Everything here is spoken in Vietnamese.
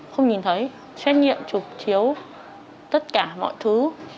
không nhìn thấy xét nghiệm chụp chiếu tất cả mọi thứ